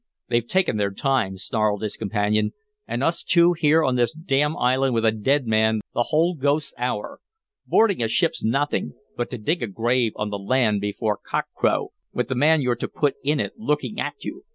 "They've taken their time," snarled his companion, "and us two here on this d d island with a dead man the whole ghost's hour. Boarding a ship's nothing, but to dig a grave on the land before cockcrow, with the man you're to put in it looking at you!